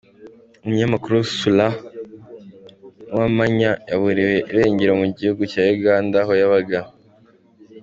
Umunyamakuru Sulah Nuwamanya yaburiwe irengero mu gihugu cya Uganda aho yabaga.